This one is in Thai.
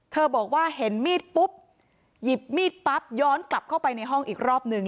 บอกว่าเห็นมีดปุ๊บหยิบมีดปั๊บย้อนกลับเข้าไปในห้องอีกรอบนึง